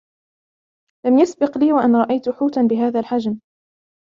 لم يسبق لي و أن رأيت حوتا بهذا الحجم.